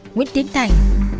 nguyễn tiến thành